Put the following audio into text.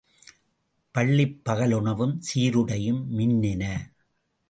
பள்ளிப்பகலுணவும் சீருடையும் மின்னின.